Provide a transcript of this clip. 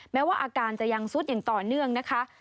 แม้ว่าอาการจะยังซุดอย่างต่อเนื่องนะคะ